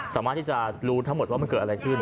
สามารถที่จะรู้ทั้งหมดว่ามันเกิดอะไรขึ้น